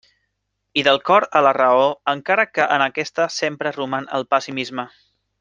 I del cor a la raó, encara que en aquesta sempre roman el pessimisme.